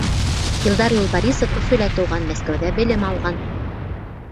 Илдар Юлбарисов Өфөлә тыуған, Мәскәүҙә белем алған.